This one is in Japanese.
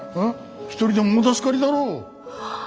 １人でも大助かりだろ。